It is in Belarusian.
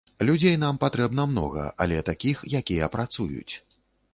Людзей нам патрэбна многа, але такіх, якія працуюць.